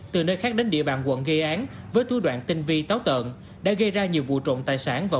từ nơi khác đến địa bàn quận gây án với thú đoạn tinh vi táo tợn đã gây ra nhiều vụ trộm tài sản vào